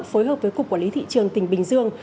phối hợp với cục quản lý thị trường tỉnh bình dương